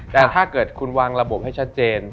แต่ถ้าเกิดคุณวางระบบให้ชัดเจน